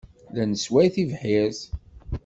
La nessway tibḥirt.